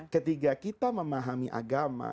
ketika kita memahami agama